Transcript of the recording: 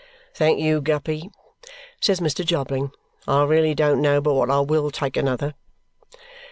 "Thank you, Guppy," says Mr. Jobling, "I really don't know but what I WILL take another."